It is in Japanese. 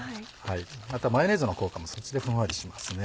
またマヨネーズの効果もそうですふんわりします。